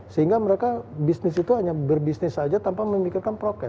sehingga mereka bisnis itu hanya berbisnis saja tanpa memikirkan prokes